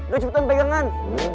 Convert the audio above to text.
gue cepetan pegangan